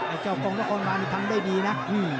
ไอ้เจ้ากลุ่มทุกคนมาอีกครั้งได้ดีนะ